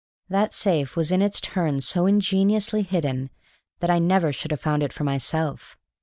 That safe was in its turn so ingeniously hidden that I never should have found it for myself.